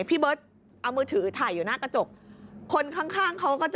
พี่เบิร์ตเอามือถือถ่ายอยู่หน้ากระจกคนข้างข้างเขาก็จะ